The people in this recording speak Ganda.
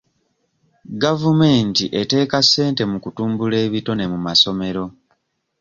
Gavumenti eteeka ssente mu kutumbula ebitone mu masomero.